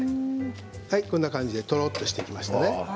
こんな感じでとろっとしてきましたね。